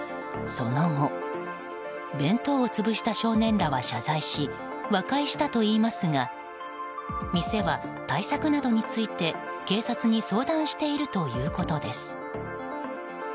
その後、弁当を潰した少年らは謝罪し和解したといいますが店は対策などについて警察に相談しているということです。